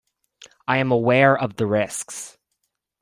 I am aware of the risks.